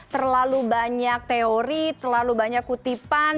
terlalu banyak teori terlalu banyak kutipan